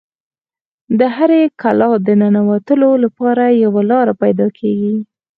د هرې کلا د ننوتلو لپاره یوه لاره پیدا کیږي